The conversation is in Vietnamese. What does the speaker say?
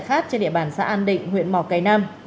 khác trên địa bàn xã an định huyện mỏ cây nam